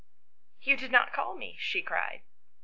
"You did not call me," she cried.